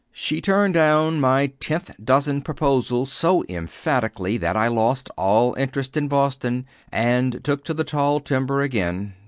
She turned down my tenth dozen proposal so emphatically that I lost all interest in Boston and took to the tall timber again.